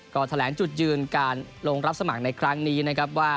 ก็แถลงจุดยืนการลงรับสมัครในครั้งนี้นะครับว่า